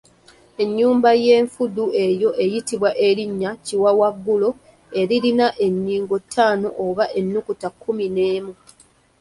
Ennyumba y’enfudu eyo eyitibwa erinnya Kiwawangulo eririna ennyingo ttaano oba ennukuta kkumi n’emu.